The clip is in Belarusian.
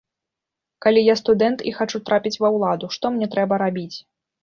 Калі я студэнт і хачу трапіць ва ўладу, што мне трэба рабіць?